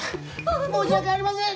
申し訳ありません！